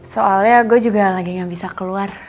soalnya gue juga lagi gak bisa keluar